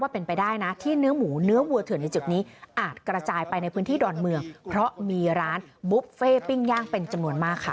เพราะมีร้านบุฟเฟ่ต์ปิ้งย่างเป็นจำนวนมากค่ะ